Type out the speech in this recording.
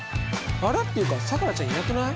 っていうかさくらちゃんいなくない？